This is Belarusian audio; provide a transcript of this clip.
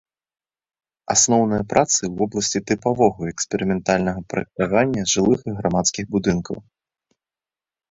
Асноўныя працы ў вобласці тыпавога і эксперыментальнага праектавання жылых і грамадскіх будынкаў.